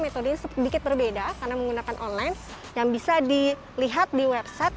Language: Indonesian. metodenya sedikit berbeda karena menggunakan online yang bisa dilihat di website